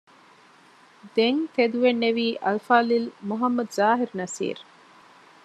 ދެން ތެދުވެންނެވީ އަލްފާޟިލް މުޙައްމަދު ޒާހިރު ނަޞީރު